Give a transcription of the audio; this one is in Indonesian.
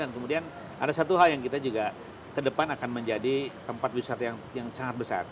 dan kemudian ada satu hal yang kita juga ke depan akan menjadi tempat wisata yang sangat besar